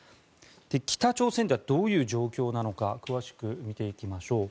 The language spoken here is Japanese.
北朝鮮ではどういう状況なのか詳しく見ていきましょう。